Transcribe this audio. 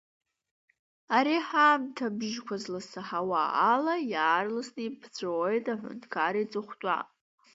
Ари ҳаамҭа абжьқәа зласаҳауа ала, иаарласны иԥҵәоит аҳәынҭқар иҵыхәтәа.